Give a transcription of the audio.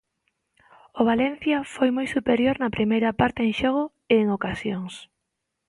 O Valencia foi moi superior na primeira parte en xogo e en ocasións.